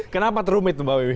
kenapa terumit mbak wb